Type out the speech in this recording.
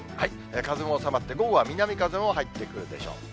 風も収まって、午後は南風も入ってくるでしょう。